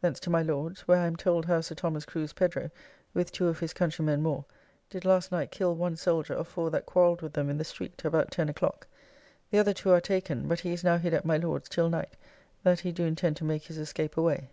Thence to my Lord's; where I am told how Sir Thomas Crew's Pedro, with two of his countrymen more, did last night kill one soldier of four that quarrelled with them in the street, about 10 o'clock. The other two are taken; but he is now hid at my Lord's till night, that he do intend to make his escape away.